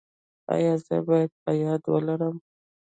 ایا زه باید په یاد ولرم؟